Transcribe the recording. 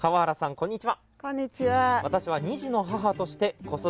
こんにちは。